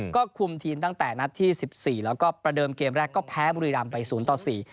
ก็คุมทีมตั้งแต่นัดที่สิบสี่แล้วก็ประเดิมเกมแรกก็แพ้บุรีรำไปศูนย์ต่อสี่